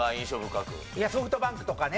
ソフトバンクとかね。